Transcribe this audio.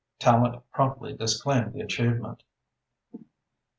Tallente promptly disclaimed the achievement.